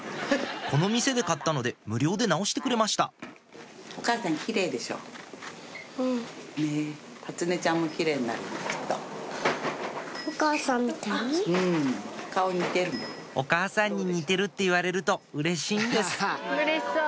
この店で買ったので無料で直してくれました「お母さんに似てる」って言われるとうれしいんです